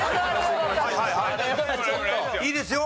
いいですよ。